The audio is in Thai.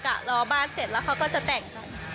รอบ้านเสร็จแล้วเขาก็จะแต่ง